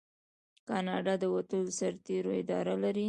کاناډا د وتلو سرتیرو اداره لري.